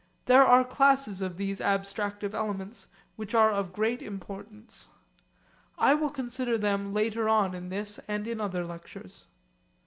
There are classes of these abstractive elements which are of great importance. I will consider them later on in this and in other lectures.